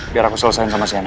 biar aku selesaikan sama cnn